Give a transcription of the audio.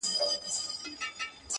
زه د جانان میني پخوا وژلې ومه!!